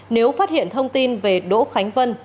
nếu phát hiện thông tin về đỗ khánh vân